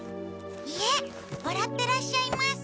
いえわらってらっしゃいます。